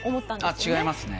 違いますね。